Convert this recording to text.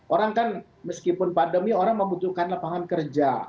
orang kan meskipun pandemi orang membutuhkan lapangan kerja